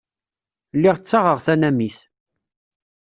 Lliɣ ttaɣeɣ tanamit.